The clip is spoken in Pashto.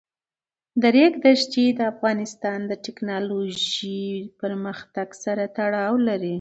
د ریګ دښتې د افغانستان د تکنالوژۍ پرمختګ سره تړاو لري.